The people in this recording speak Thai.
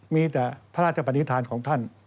มีแต่พระราชปนิษฐานของท่าน